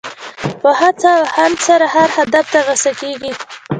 په هڅه او هاند سره هر هدف ترلاسه کېږي.